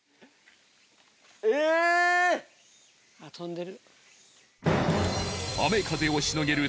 飛んでる。